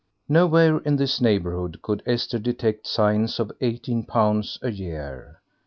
Nowhere in this neighbourhood could Esther detect signs of eighteen pounds a year.